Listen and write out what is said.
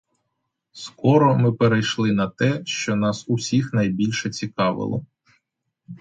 Скоро ми перейшли на те, що нас усіх найбільше цікавило.